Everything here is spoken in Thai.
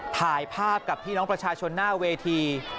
ถ่ายภาพกับพี่น้องประชาชนหน้าเวที